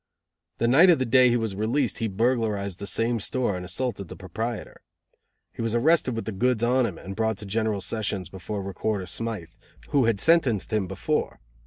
The night of the day he was released he burglarized the same store and assaulted the proprietor. He was arrested with the goods on him and brought to General Sessions before Recorder Smythe, who had sentenced him before.